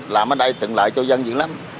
làm ở đây tự lợi cho dân dữ lắm